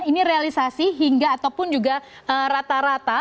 ini realisasi hingga ataupun juga rata rata